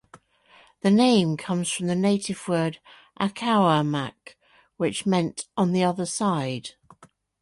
The name comes from the native word Accawmack, which meant "on the other side".